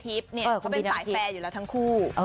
อืมใช่คือลคลิปเค้าเป็นสายแฟอยู่แล้วทั้งคู่